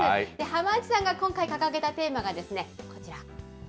浜内さんが今回掲げたテーマがこちら。